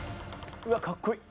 うわっかっこいい。